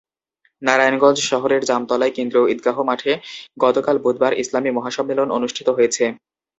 নারায়ণগঞ্জ শহরের জামতলায় কেন্দ্রীয় ঈদগাহ মাঠে গতকাল বুধবার ইসলামি মহাসম্মেলন অনুষ্ঠিত হয়েছে।